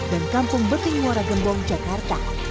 dan kampung betiwara gembong jakarta